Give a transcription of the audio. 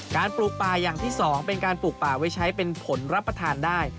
ปลูกป่าอย่างที่สองเป็นการปลูกป่าไว้ใช้เป็นผลรับประทานได้